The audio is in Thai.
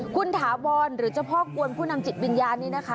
คุณถาวรหรือเจ้าพ่อกวนผู้นำจิตวิญญาณนี้นะคะ